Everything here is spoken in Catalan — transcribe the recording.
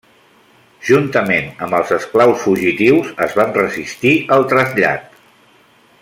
Juntament amb els esclaus fugitius es van resistir al trasllat.